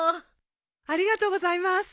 ありがとうございます！